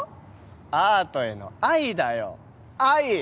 アートへの愛だよ愛！